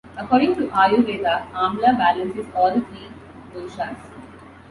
According to Ayurveda, amla balances all three doshas.